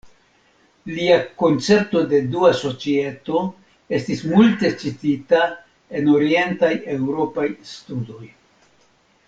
Lia koncepto de dua societo estis multe citita en Orientaj Eŭropaj Studoj.